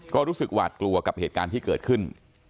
ก็รู้สึกหวาดกลัวกับเหตุการณ์ที่เกิดขึ้น